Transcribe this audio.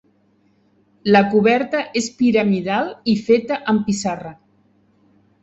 La coberta és piramidal i feta amb pissarra.